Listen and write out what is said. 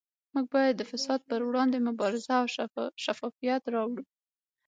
موږ باید د فساد پروړاندې مبارزه او شفافیت راوړو